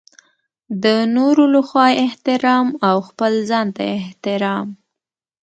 د نورو لخوا احترام او خپل ځانته احترام.